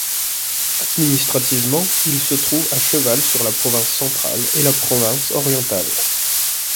Administrativement, il se trouve à cheval sur la Province centrale et la Province orientale.